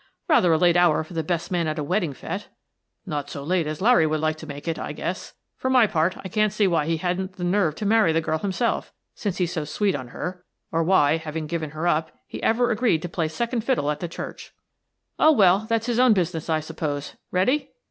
" Rather a late hour for the best man at a wed ding fete." " Not so late as Larry would like to make it, I guess. For my part, I can't see why he hadn't the nerve to marry the girl himself, since he's so sweet on her — or why, having given her up, he ever agreed to play second fiddle at the church." "Oh, well, that's his own business, I suppose. Ready?"